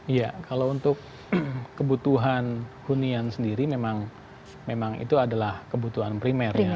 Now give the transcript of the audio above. iya kalau untuk kebutuhan hunian sendiri memang itu adalah kebutuhan primer ya